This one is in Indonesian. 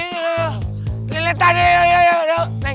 cililitan yuk yuk yuk